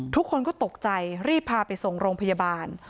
ทุกคนก็ตกใจรีบพาไปส่งโรงพยาบาล